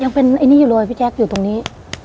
ยังเป็นไอ้นี่อยู่เลยพี่แจ๊คอยู่ตรงนี้